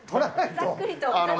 ざっくりと。